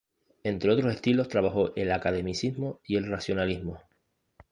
Entre otros estilos trabajó el academicismo y el racionalismo.